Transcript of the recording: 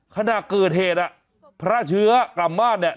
ขณะเกิดเหตุอ่ะพระเชื้อกลับบ้านเนี่ย